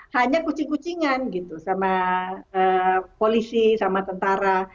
hanya kucing kucingan gitu sama polisi sama tentara